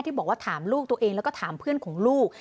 บอกว่าถามลูกตัวเองแล้วก็ถามเพื่อนของลูก